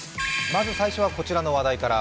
まず最初はこちらの話題から。